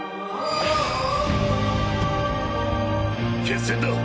決戦だ！